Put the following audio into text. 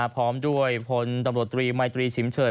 พร้อมด้วยพลตำรวจตรีมัยตรีชิมเฉิ